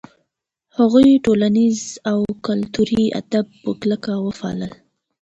هغوی ټولنیز او کلتوري آداب په کلکه وپالـل.